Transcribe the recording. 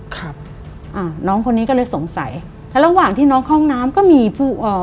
ครับอ่าน้องคนนี้ก็เลยสงสัยแล้วระหว่างที่น้องเข้าห้องน้ำก็มีผู้เอ่อ